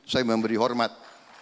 saya memberi hormat